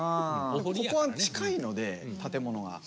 ここは近いので建物が。